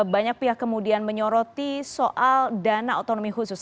banyak pihak kemudian menyoroti soal dana otonomi khusus